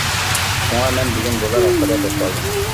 شۇڭا، مەن بۈگۈن بۇلار ھەققىدە توختالدىم.